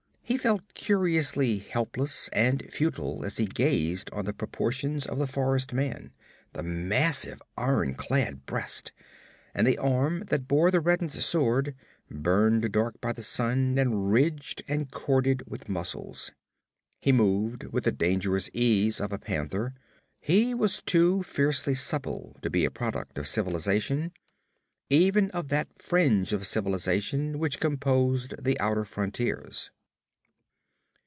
He felt curiously helpless and futile as he gazed on the proportions of the forest man the massive iron clad breast, and the arm that bore the reddened sword, burned dark by the sun and ridged and corded with muscles. He moved with the dangerous ease of a panther; he was too fiercely supple to be a product of civilization, even of that fringe of civilization which composed the outer frontiers.